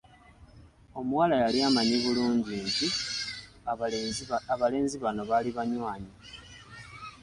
Omuwala yali amanyi bulungi nti abalenzi bano baali banywanyi.